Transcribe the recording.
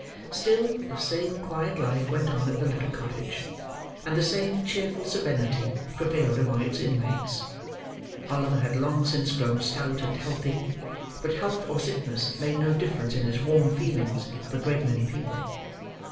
Still, the same quiet life went on at the little cottage, and the same cheerful serenity prevailed among its inmates. Oliver had long since grown stout and healthy; but health or sickness made no difference in his warm feelings of a great many people.